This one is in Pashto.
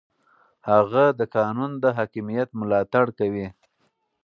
هغه د قانون د حاکمیت ملاتړ کوي.